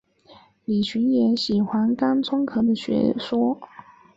李寻也喜欢甘忠可的学说。